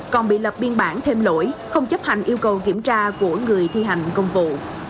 còn bị lập biên bản thêm lỗi không chấp hành yêu cầu kiểm tra của người thi hành công vụ